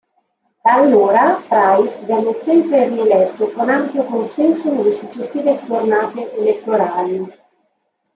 Da allora, Price venne sempre rieletto con ampio consenso nelle successive tornate elettorali.